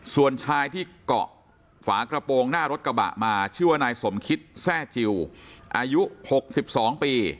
ส่วนชายที่เกาะฝากระโปรงหน้ารถกระบะมาชื่อว่านายสมคิตแทร่จิลอายุ๖๒ปี